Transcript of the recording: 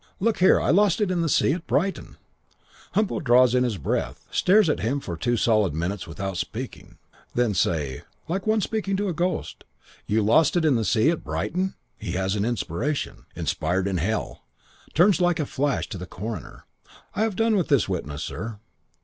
'Look here. I lost it in the sea at Brighton.' "Humpo draws in his breath. Stares at him for two solid minutes without speaking. Then say, like one speaking to a ghost, 'You lost it in the sea at Brighton! You lost it in the sea at Brighton!' Has an inspiration. Inspired in hell. Turns like a flash to the coroner. 'I have done with this witness, sir.'